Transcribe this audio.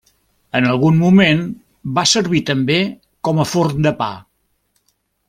En algun moment va servir també com a forn de pa.